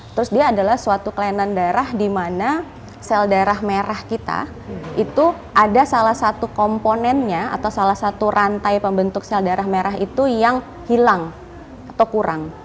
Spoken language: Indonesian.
terus dia adalah suatu kelainan darah di mana sel darah merah kita itu ada salah satu komponennya atau salah satu rantai pembentuk sel darah merah itu yang hilang atau kurang